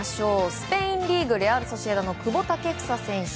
スペインリーグレアル・ソシエダの久保建英選手。